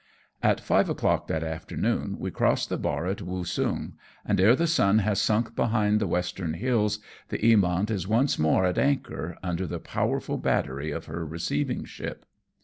At five o'clock that afternoon we cross the bar at Woosung, and ere the sun has sunk behind the western hills the Eamont is once more at anchor, under the powerful battery of our receiving ship.